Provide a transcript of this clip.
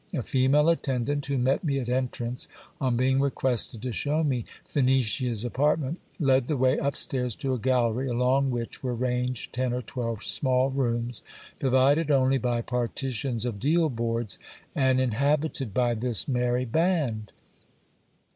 A female attendant who met me at entrance, on being requested to shew me Phenicia 1 s apartment, led the way up stairs to a gallery, along which were ranged ten or twelve small rooms, divided only by partitions of deal boards, and inhabited by this merry band.